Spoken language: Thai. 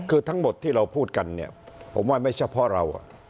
คือทั้งหมดที่เราพูดกันเนี่ยผมว่าไม่เฉพาะเรา